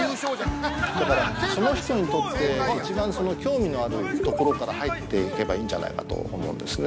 だから、その人にとって一番興味のあるところから入っていけばいいんじゃないかと思うんですね。